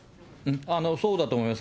そうだと思います。